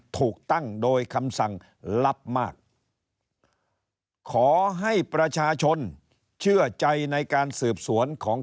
ถูกตั้งโดยคำสั่งลับมากขอให้ประชาชนเชื่อใจในการสืบสวนของ